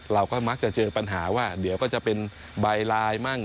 เราก็มักจะเจอปัญหาว่าเดี๋ยวก็จะเป็นใบลายมั่ง